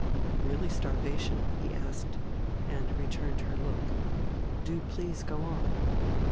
"Really starvation?" he asked, and returned her look.... "Do please go on."